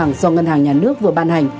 ngân hàng do ngân hàng nhà nước vừa ban hành